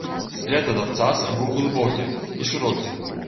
След ад абцаса быў глыбокі і шырокі.